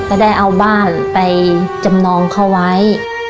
ได้เอาบ้านไปจำนองเขาไว้